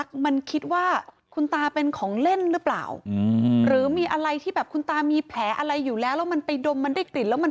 ถ้าเขาอยากจะให้ช่วยถ้าเรามีเราก็เต็มใจพร้อมที่จะช่วย